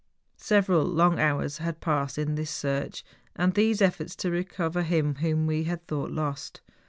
Several long hours had passed in this search, and these efforts to recover him whom we had thou<rht lost.